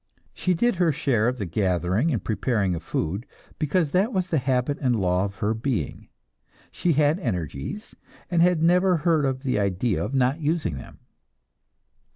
She did her share of the gathering and preparing of food, because that was the habit and law of her being; she had energies, and had never heard of the idea of not using them.